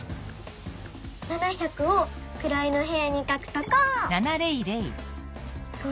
「７００」をくらいのへやにかくとこう！